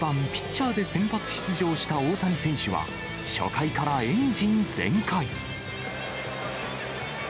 ２番ピッチャーで先発出場した大谷選手は、初回からエンジン全開。